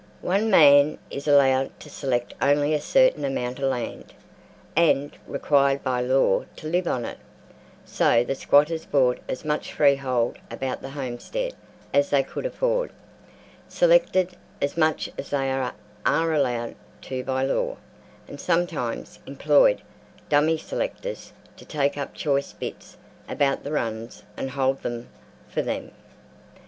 One man is allowed to select only a certain amount of land, and required by law to live on it, so the squatters bought as much freehold about the homestead as they could afford, selected as much as they are allowed to by law, and sometimes employed "dummy" selectors to take up choice bits about the runs and hold them for them.